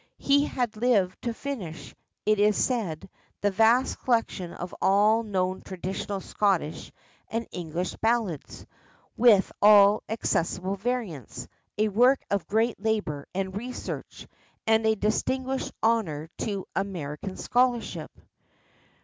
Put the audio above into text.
He had lived to finish, it is said, the vast collection of all known traditional Scottish and English Ballads, with all accessible variants, a work of great labour and research, and a distinguished honour to American scholarship.